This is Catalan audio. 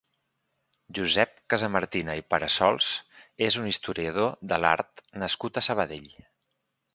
Josep Casamartina i Parassols és un historiador de l'art nascut a Sabadell.